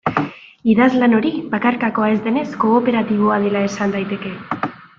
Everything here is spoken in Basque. Idazlan hori, bakarkakoa ez denez, kooperatiboa dela esan daiteke.